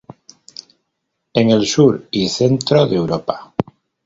En el sur y centro de Europa.